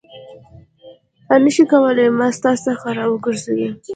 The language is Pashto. دا نه شي کولای ما ستا څخه راوګرځوي.